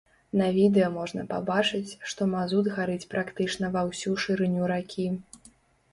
На відэа можна пабачыць, што мазут гарыць практычна ва ўсю шырыню ракі.